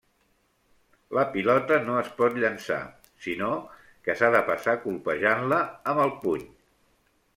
La pilota no es pot llençar, sinó que s'ha de passar colpejant-la amb el puny.